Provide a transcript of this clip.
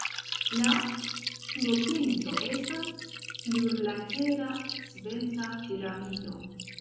La turopinto estas plurlatera svelta piramido.